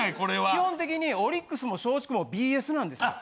基本的にオリックスも松竹もＢＳなんですよ。